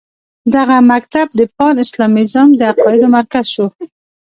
دغه مکتب د پان اسلامیزم د عقایدو مرکز شو.